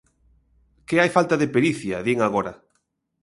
Que hai falta de pericia, din agora.